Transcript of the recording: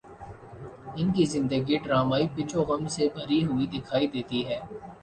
ان کی زندگی ڈرامائی پیچ و خم سے بھری ہوئی دکھائی دیتی ہے